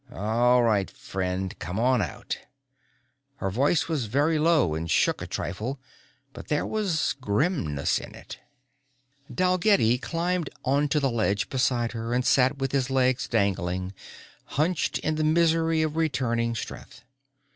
"All right, friend. Come on out." Her voice was very low and shook a trifle but there was grimness in it. Dalgetty climbed onto the ledge beside her and sat with his legs dangling, hunched in the misery of returning strength.